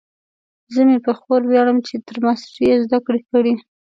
زه مې په خور ویاړم چې تر ماسټرۍ یې زده کړې کړي